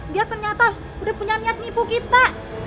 dia ternyata udah punya niat nipu kita